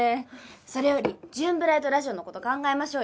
それより『ジューンブライドラジオ』の事考えましょうよ。